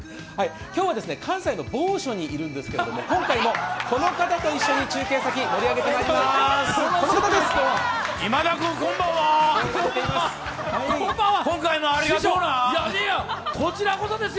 今日は関西の某所にいるんですけれども、今回もこの方と一緒に中継先、盛り上げてまいります。